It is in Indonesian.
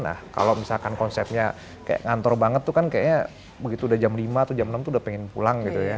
nah kalau misalkan konsepnya kayak ngantor banget tuh kan kayaknya begitu udah jam lima atau jam enam tuh udah pengen pulang gitu ya